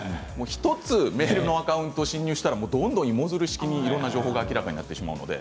１つメールのアカウントに侵入したら、どんどん芋づる式に情報が明らかになってしまいます。